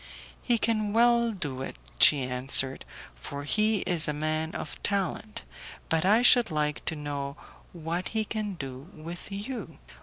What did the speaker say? "He can well do it," she answered, "for he is a man of talent; but I should like to know what he can do with you?"